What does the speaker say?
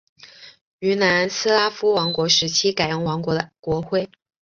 于南斯拉夫王国时期改用王国的国徽。